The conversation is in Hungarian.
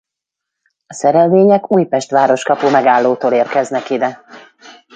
A szerelvények Újpest-városkapu megállótól érkeznek ide.